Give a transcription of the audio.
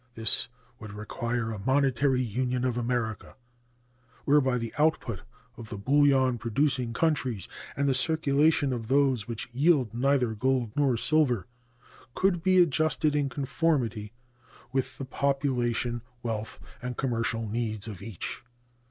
This would require a monetary union of America, whereby the output of the bullion producing countries and the circulation of those which yield neither gold nor silver could be adjusted in conformity with the population, wealth, and commercial needs of each.